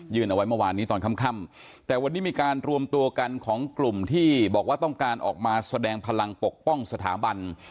เอาไว้เมื่อวานนี้ตอนค่ำแต่วันนี้มีการรวมตัวกันของกลุ่มที่บอกว่าต้องการออกมาแสดงพลังปกป้องสถาบัน